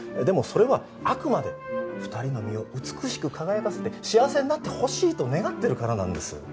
でもそれはあくまで２人の身を美しく輝かせて幸せになってほしいと願ってるからなんです。